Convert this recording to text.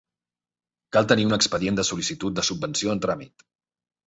Cal tenir un expedient de sol·licitud de subvenció en tràmit.